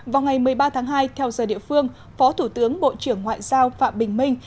vào ngày một mươi ba tháng hai theo giờ địa phương phó thủ tướng bộ trưởng ngoại giao phạm bình minh